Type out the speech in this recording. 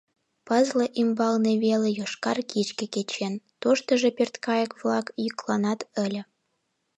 Пызле ӱмбалне веле йошкар кичке кечен, туштыжо пӧрткайык-влак йӱкланат ыле.